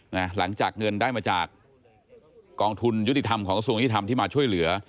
หลังจากเงินได้มาจากกองทุนยุติธรรมของกระทรวงยุทธรรมที่มาช่วยเหลือ